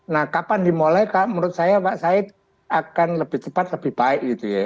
nah kapan dimulai menurut saya pak said akan lebih cepat lebih baik